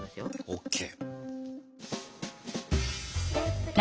ＯＫ。